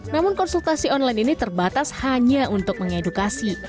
namun konsultasi online ini terbatas hanya untuk mengedukasi